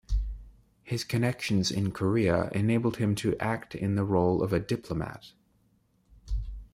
His connections in Korea enabled him to act in the role of a diplomat.